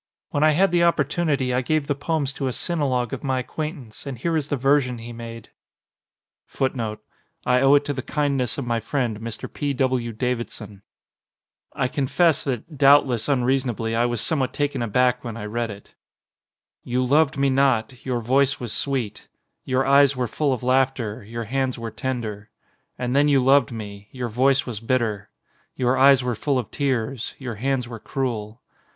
When I had the op portunity I gave the poems to a sinologue of my acquaintance, and here is the version he made. 1 I confess that, doubtless unreasonably, I was somewhat taken aback when I read it. You loved me not: your voice was sweet; Your eyes were full of laughter; your hands were tender. And then you loved me: your voice was bitter; Your eyes were full of tears; your hands were cruel.